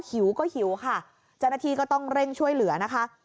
หิวก็หิวค่ะเจ้าหน้าที่ก็ต้องเร่งช่วยเหลือนะคะ